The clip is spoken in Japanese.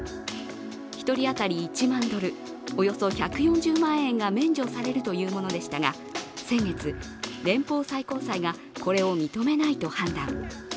１人当たり１万ドル、およそ１４０万円が免除されるというものでしたが、先月、連邦最高裁がこれを認めないと判断。